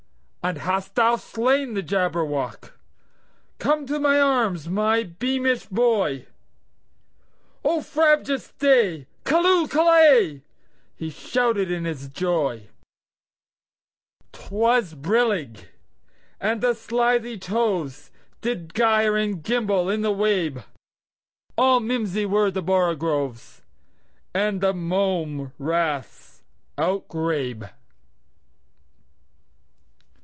"And hast thou slain the Jabberwock? Come to my arms, my beamish boy!O frabjous day! Callooh! Callay!"He chortled in his joy.'T was brillig, and the slithy tovesDid gyre and gimble in the wabe; All mimsy were the borogoves, And the mome raths outgrabe.